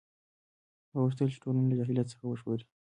هغه غوښتل چې ټولنه له جهالت څخه وژغوري.